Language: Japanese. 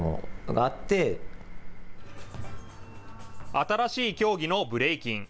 新しい競技のブレイキン。